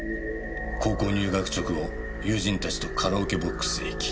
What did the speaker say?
高校入学直後友人たちとカラオケボックスへ行き